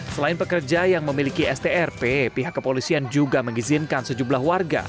selain pekerja yang memiliki strp pihak kepolisian juga mengizinkan sejumlah warga